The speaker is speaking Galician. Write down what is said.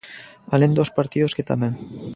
Alén dos partidos, que tamén.